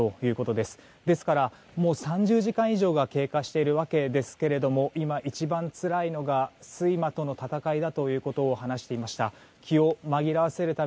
ですから、もう３０時間以上が経過しているわけですけれども今、一番つらいのが睡魔との戦いだと話していました。